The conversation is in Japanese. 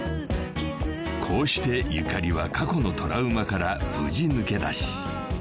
［こうしてゆかりは過去のトラウマから無事抜け出し］